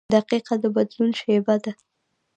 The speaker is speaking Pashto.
• دقیقه د بدلون شیبه ده.